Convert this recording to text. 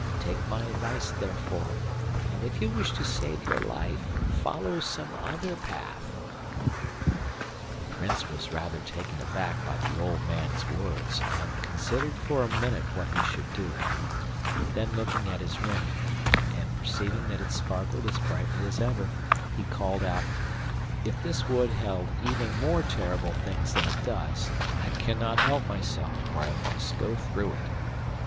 Take my advice, therefore, and if you wish to save your life follow some other path.' The Prince was rather taken aback by the old man's words, and considered for a minute what he should do; then looking at his ring, and perceiving that it sparkled as brightly as ever, he called out: 'If this wood held even more terrible things than it does, I cannot help myself, for I must go through it.